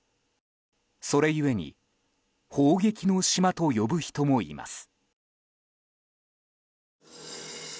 それゆえに砲撃の島と呼ぶ人もいます。